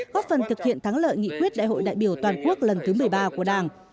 góp phần thực hiện thắng lợi nghị quyết đại hội đại biểu toàn quốc lần thứ một mươi ba của đảng